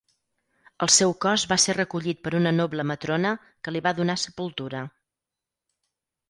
El seu cos va ser recollit per una noble matrona que li va donar sepultura.